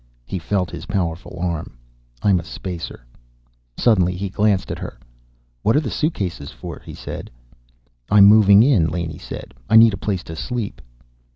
He felt his powerful arm. "I'm a Spacer." Suddenly he glanced at her. "What are the suitcases for?" he said. "I'm moving in," Laney said. "I need a place to sleep."